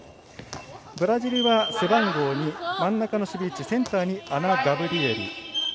ブラジルは背番号２真ん中の守備位置アナガブリエリ。